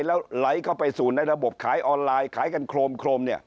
แล้วไหลเข้าไปสู่ในระบบขายออนไลน์ขายกันโครมเนี่ย